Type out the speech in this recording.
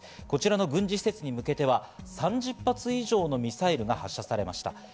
こちらの軍事施設に向けては３０発以上のミサイルが発射されました。